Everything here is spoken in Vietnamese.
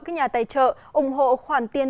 các nhà tài trợ ủng hộ khoản tiền